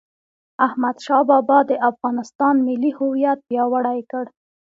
احمدشاه بابا د افغانستان ملي هویت پیاوړی کړ..